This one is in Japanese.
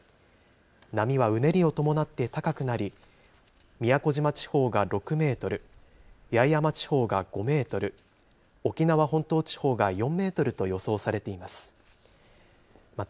波はうねりを伴って高くなり、宮古島地方が６メートル、八重山地方が５メートル、沖縄本島地方が４メートルと予想されています。